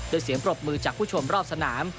ด้วยเสียงปรบมือจากผู้ชมรอบสนาม